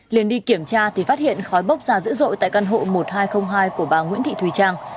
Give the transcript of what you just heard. liền đi kiểm tra thì phát hiện khói bốc ra dữ dội tại căn hộ một nghìn hai trăm linh hai của bà nguyễn thị thùy trang